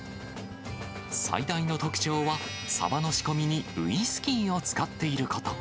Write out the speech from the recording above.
最大の特徴は、サバの仕込みにウイスキーを使っていること。